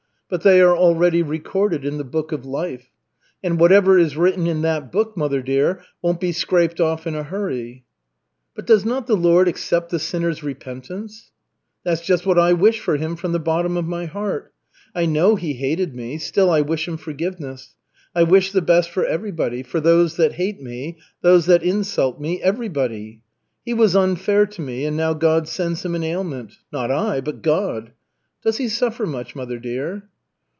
But they are already recorded in the Book of Life. And whatever is written in that book, mother dear, won't be scraped off in a hurry." "But does not the Lord accept the sinner's repentance?" "That's just what I wish for him from the bottom of my heart. I know he hated me, still I wish him forgiveness. I wish the best for everybody for those that hate me, those that insult me everybody. He was unfair to me and now God sends him an ailment not I, but God. Does he suffer much, mother dear?"